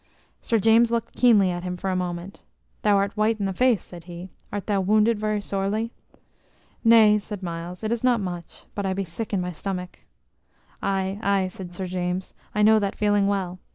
Sir James looked keenly at him for a moment. "Thou art white i' the face," said he. "Art thou wounded very sorely?" "Nay" said Myles, "it is not much; but I be sick in my stomach." "Aye, aye," said Sir James; "I know that feeling well.